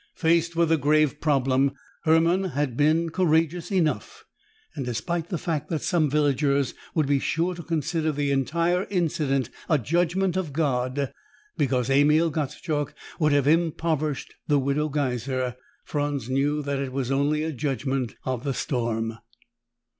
Faced with a grave problem, Hermann had been courageous enough, and, despite the fact that some villagers would be sure to consider the entire incident a judgment of God because Emil Gottschalk would have impoverished the Widow Geiser, Franz knew that it was only a judgment of the storm.